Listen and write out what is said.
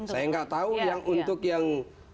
saya tidak tahu untuk yang